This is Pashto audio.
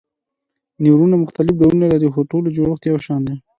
نیورونونه مختلف ډولونه لري خو د ټولو جوړښت یو شان دی.